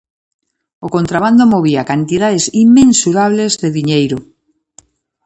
O contrabando movía cantidades inmensurables de diñeiro.